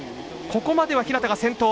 ここまでは日向が先頭。